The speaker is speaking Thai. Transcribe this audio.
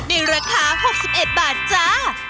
ในราคา๖๑บาทจ้า